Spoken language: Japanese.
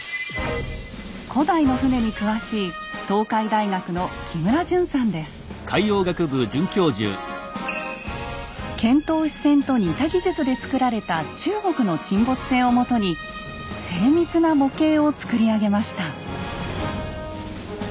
古代の船に詳しい遣唐使船と似た技術で造られた中国の沈没船をもとに精密な模型を作り上げました。